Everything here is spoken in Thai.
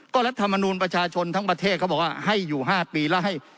ก็รัฐมนูลประชาชนทั้งประเทศเขาบอกว่าให้อยู่๕ปีแล้วให้